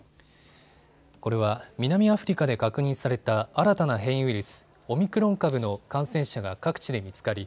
これは南アフリカで確認された新たな変異ウイルス、オミクロン株の感染者が各地で見つかり